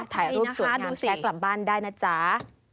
ถ่ายรูปสวยงามแท้กลับบ้านได้นะจ๊ะ